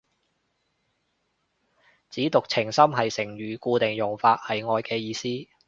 舐犢情深係成語，固定用法，係愛嘅意思